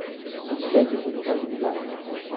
Il sait que ce n’est pas une blague.